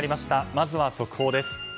まずは速報です。